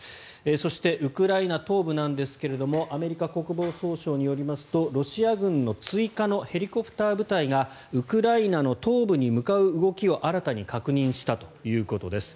そして、ウクライナ東部ですがアメリカ国防総省によりますとロシア軍の追加のヘリコプター部隊がウクライナの東部に向かう動きを新たに確認したということです。